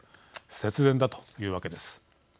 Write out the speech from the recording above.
節電だというわけです。